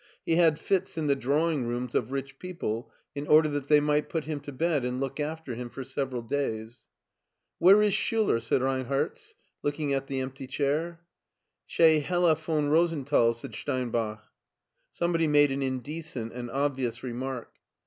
He had fits in the drawing rooms of rich people in order that they might put him to bed and look after him for several days. " Where is Schiiler ?" said Reinherz, looking at the empty chair. "Chez Hella von Rosenthal," said Steinbach. Somebody made an indecent and obvious remark.